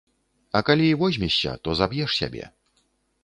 А калі і возьмешся, то заб'еш сябе.